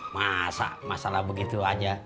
masa masalah begitu aja